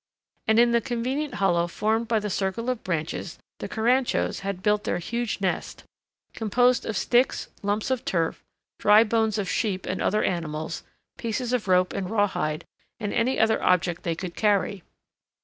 And in the convenient hollow formed by the circle of branches the caranchos had built their huge nest, composed of sticks, lumps of turf, dry bones of sheep and other animals, pieces of rope and raw hide, and any other object they could carry.